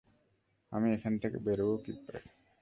আমি এখান থেকে বেরোবো কী করে?